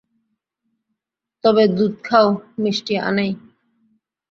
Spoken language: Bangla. তবে দুধ খাও, মিষ্টি আনাই।